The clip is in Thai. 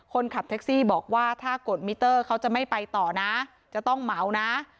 คนขับแท็กซี่บอกว่าถ้ากดมิเตอร์เขาจะไม่ไปต่อนะจะต้องเหมานะ